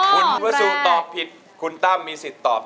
คุณวัสูตอบผิดคุณตั้มมีสิทธิ์ตอบผิด